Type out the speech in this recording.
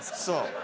そう。